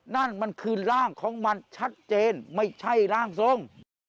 นั่นมันคือร่างของมันชัดเจนไม่ใช่ร่างทรง